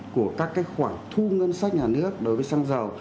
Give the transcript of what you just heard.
của các khoản thu ngân sách nhà nước đối với xăng dầu